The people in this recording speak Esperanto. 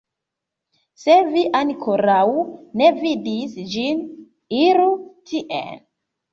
Se vi ankoraŭ ne vidis ĝin, iru tien